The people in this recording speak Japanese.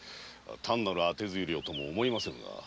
単なる当て推量とも思えませぬが。